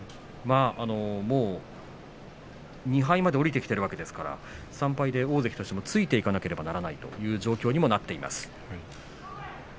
もう２敗まで下りてきているわけですから３敗で大関としてついていかなければならないという状況にもなっています。